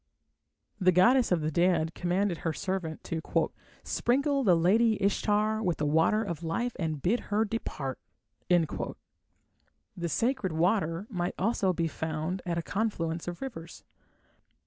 The goddess of the dead commanded her servant to "sprinkle the lady Ishtar with the water of life and bid her depart". The sacred water might also be found at a confluence of rivers.